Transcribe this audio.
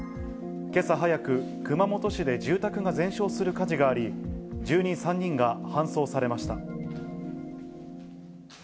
けさ早く、熊本市で住宅が全焼する火事があり、住人３人が搬送されました。